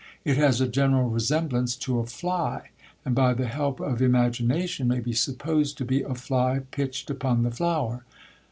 It has a general resemblance to a fly, and by the help of imagination may be supposed to be a fly pitched upon the flower.